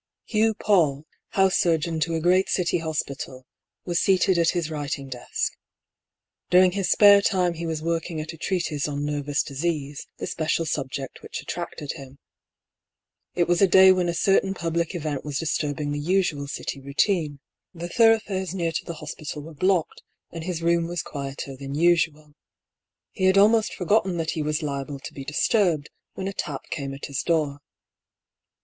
Hugh Paull, house surgeon to a great City hospital, was seated at his writing desk. During his spare time he was working at a treatise on nervous disease, the special subject which attracted him. It was a day when a certain public event was disturbing the usual City routine. The thoroughfares near to the hospital were blocked, and his room was quieter than usual. He had almost forgotten that he was liable to be disturbed, when a tap came at his door.